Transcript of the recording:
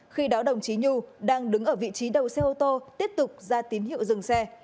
khi đó đồng chí nhu đang đứng ở vị trí đầu xe ô tô tiếp tục ra tín hiệu dừng xe